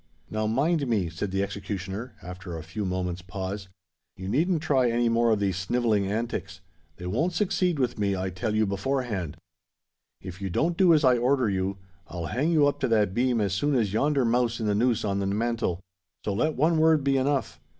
"Now, mind me," said the executioner, after a few moments' pause, "you needn't try any more of these snivelling antics: they won't succeed with me, I tell you before hand. If you don't do as I order you, I'll hang you up to that beam as soon as yonder mouse in the noose on the mantel. So let one word be enough.